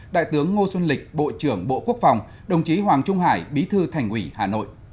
đại tướng ngô xuân lịch bộ trưởng bộ quốc phòng đồng chí hoàng trung hải bí thư thành ủy hà nội